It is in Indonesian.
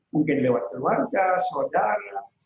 mungkin lewat keluarga saudara